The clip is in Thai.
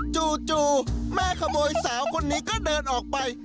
จู่แม่ขโมยสาวคนนี้ก็เดินออกไป